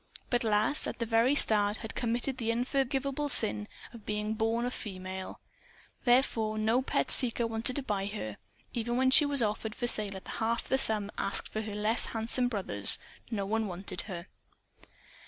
But Lass, at the very start, had committed the unforgivable sin of being born a female. Therefore, no pet seeker wanted to buy her. Even when she was offered for sale at half the sum asked for her less handsome brothers, no one wanted her.